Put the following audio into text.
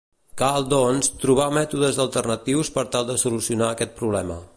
Cal, doncs, trobar mètodes alternatius per tal de solucionar aquest problema.